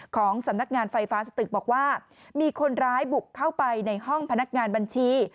ของสำนักงานไฟฟ้าสตึกบอกว่ามีคนร้ายบุกเข้าไปในห้องพนักงานบัญชี